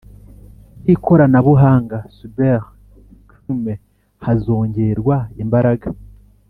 By ikoranabuhanga cyber crimes hazongerwa imbaraga